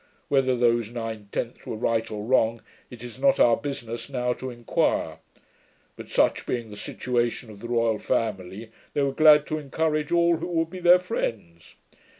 Whether those nine tenths were right or wrong, it is not our business now to inquire. But such being the situation of the royal family, they were glad to encourage all who would be their friends.